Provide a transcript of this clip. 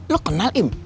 lo kenal im